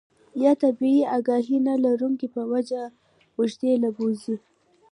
يا طبي اګاهي نۀ لرلو پۀ وجه اوږدې له بوځي